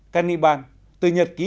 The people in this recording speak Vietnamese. cannibal từ nhật ký